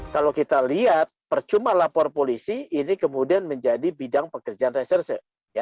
kalau kita lihat percuma lapor polisi ini kemudian menjadi bidang pekerjaan reserse